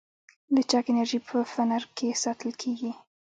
لچک انرژي په فنر کې ساتل کېږي.